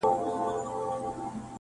وېل سینه کي به یې مړې ډېوې ژوندۍ کړم-